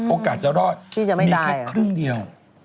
โอกาสจะรอดมีแค่ครึ่งเดียว